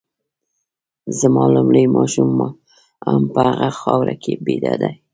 زما لومړی ماشوم هم په هغه خاوره کي بیده دی